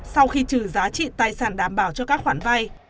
sau khi trừ giá trị tài sản đảm bảo cho các khoản vay